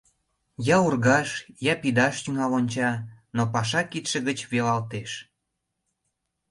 Я ургаш, я пидаш тӱҥал онча, но паша кидше гыч велалтеш.